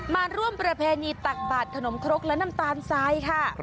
มาร่วมประเพณีตักบาดขนมครกและน้ำตาลทรายค่ะ